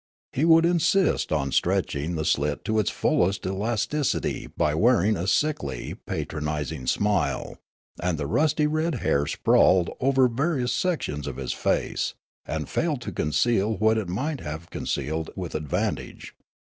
He would insist on stretching the slit to its full elas ticity by wearing a sickly, patronising smile ; and the rust3' red hair sprawled over various sections of his face, and failed to conceal what it might have con cealed with advantage.